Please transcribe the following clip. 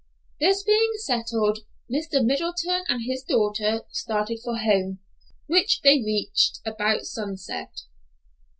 This being settled, Mr. Middleton and his daughter started for home, which they reached about sunset.